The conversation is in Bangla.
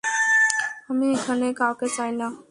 আমি এখানে কাউকে চাই না।